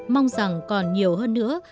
mong rằng còn nhiều hơn nữa